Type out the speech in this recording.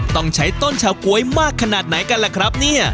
ต้องใช้ต้นชาวก๊วยมากขนาดไหนกันล่ะครับเนี่ย